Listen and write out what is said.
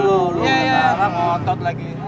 udah ga salah ngotot lagi